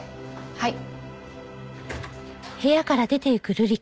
はい。